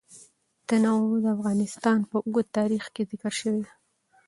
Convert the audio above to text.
تنوع د افغانستان په اوږده تاریخ کې ذکر شوی دی.